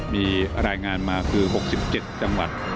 มีรายงานมาคือ๖๗จังหวัด